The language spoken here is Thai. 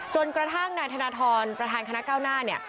จนกระทั่งนายธนทรประธานคณะเก้าหน้าเนี่ย